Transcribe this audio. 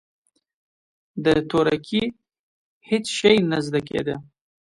د تورکي هېڅ شى نه زده کېده.